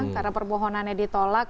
karena permohonannya ditolak